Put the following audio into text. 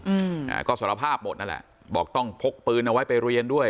อืมอ่าก็สารภาพหมดนั่นแหละบอกต้องพกปืนเอาไว้ไปเรียนด้วย